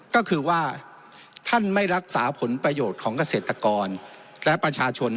ก็คือว่าท่านไม่รักษาผลประโยชน์ของเกษตรกรและประชาชน